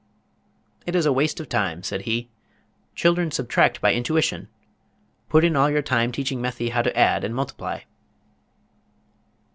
"It is a waste of time," said he. "Children subtract by intuition. Put in all your time teaching Methy how to add and multiply."